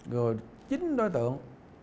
rồi chính đối tượng